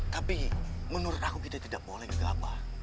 tapi menurut aku kita tidak boleh gitu apa